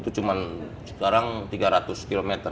itu cuma sekarang tiga ratus km